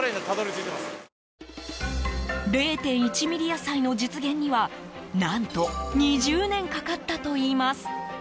０．１ｍｍ野菜の実現には何と２０年かかったといいます。